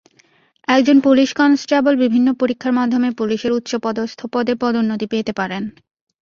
একজন police constable বিভিন্ন পরীক্ষার মাধ্যমে পুলিশের উচ্চপদস্থ পদে পদোন্নতি পেতে পারেন।